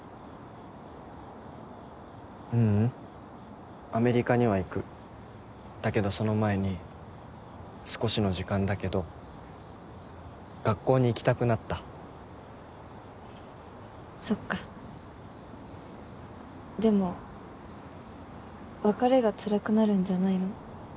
ううんアメリカには行くだけどその前に少しの時間だけど学校に行きたくなったそっかでも別れがつらくなるんじゃないの？